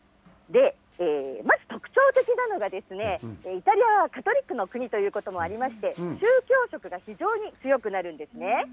まず特徴的なのが、イタリアはカトリックの国ということもありまして、宗教色が非常に強くなるんですね。